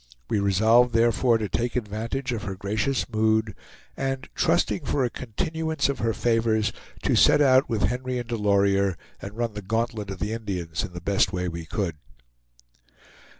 We resolved therefore to take advantage of her gracious mood and trusting for a continuance of her favors, to set out with Henry and Delorier, and run the gauntlet of the Indians in the best way we could.